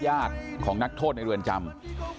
ญาติของนักโทษในเรือนจำ